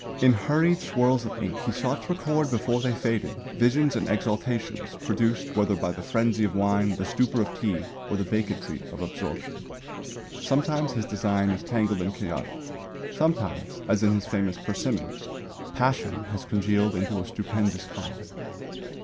In hurried swirls of ink he sought to record before they faded visions and exaltations produced whether by the frenzy of wine, the stupor of tea, or the vacancy of absorption. Sometimes his design is tangled and chaotic; sometimes as in his famous "Persimmons," passion has congealed into a stupendous calm. See Kümmel, Die Kunst Ostasiens Pl.